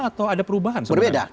atau ada perubahan sebenarnya